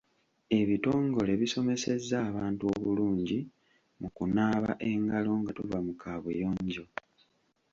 Ebitongole bisomesezza abantu obulungi mu kunaaba engalo nga tuva mu kaabuyonjo